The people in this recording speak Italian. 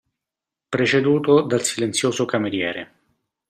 Preceduto dal silenzioso cameriere.